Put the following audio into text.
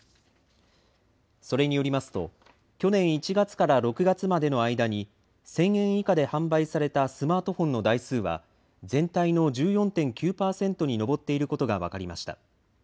それによりますと、去年１月から６月までの間に、１０００円以下で販売されたスマートフォンの台数は、全体の１４．９％に上っていることが分かりました。